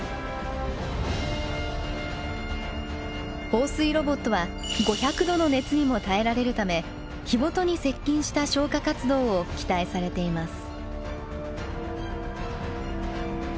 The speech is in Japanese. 放水ロボットは５００度の熱にも耐えられるため火元に接近した消火活動を期待されています。